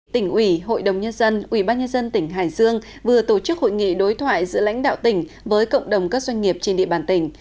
tỉnh ủy hội đồng nhân dân ubnd tỉnh hải dương vừa tổ chức hội nghị đối thoại giữa lãnh đạo tỉnh với cộng đồng các doanh nghiệp trên địa bàn tỉnh